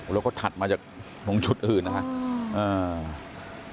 แล้วก็ถัดมาจากมงชุดอื่นนะครับ